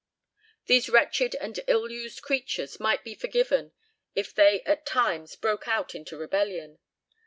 These wretched and ill used creatures might be forgiven if they at times broke out into rebellion.